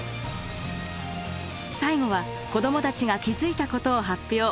最後は子どもたちが気付いたことを発表。